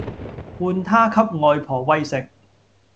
換她給外婆餵食